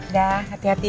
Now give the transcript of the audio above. dah hati hati ya